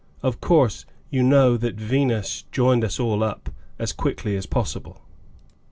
Of course you know that Venus joined us all up, as quickly as possible.